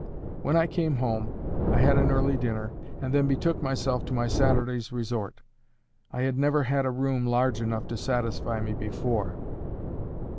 —When I came home, I had an early dinner, and then betook myself to my Saturday's resort.—I had never had a room large enough to satisfy me before.